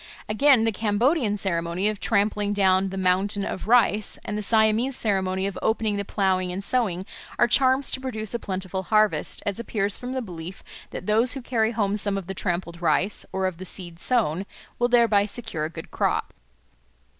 Again, the Cambodian ceremony of trampling down the "mountain of rice," and the Siamese ceremony of opening the ploughing and sowing, are charms to produce a plentiful harvest, as appears from the belief that those who carry home some of the trampled rice, or of the seed sown, will thereby secure a good crop.